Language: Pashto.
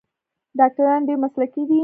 ډاکټران یې ډیر مسلکي دي.